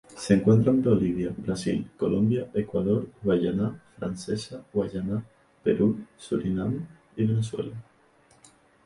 Se encuentra en Bolivia, Brasil, Colombia, Ecuador, Guayana Francesa, Guyana, Perú, Surinam y Venezuela.